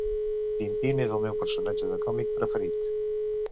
Tintín és el meu personatge de còmic preferit.